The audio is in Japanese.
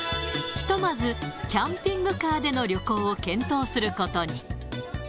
ひとまずキャンピングカーでの旅行を検討することに。